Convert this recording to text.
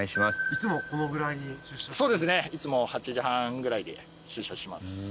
いつも８時半ぐらいで出社します。